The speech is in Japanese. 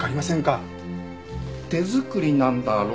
手作りなんだろ？